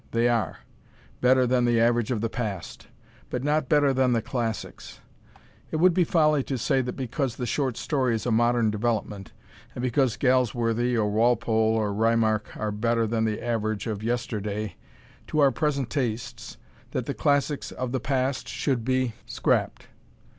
They are better than the average of the past but not better than the classics. It would be folly to say that because the short story is a modern development, and because Galsworthy or Walpole or Reimarch are better than the average of yesterday, to our present tastes, that the classics of the past should be scrapped.